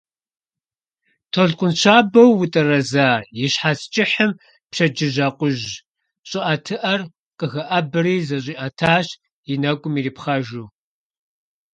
Толъкъун щабэу утӀэрэза и щхьэц кӀыхьым пщэдджыжь акъужь щӀыӀэтыӀэр къыхэӀэбэри зэщӀиӀэтащ, и нэкӀум ирипхъэжу.